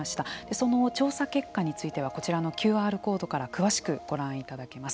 その調査結果についてはこちらのＱＲコードから詳しくご覧いただけます。